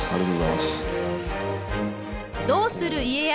「どうする家康」